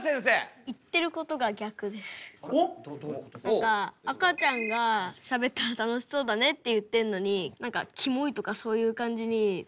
何か赤ちゃんがしゃべったら楽しそうだねって言ってんのに何かキモいとかそういう感じにツッコんでて。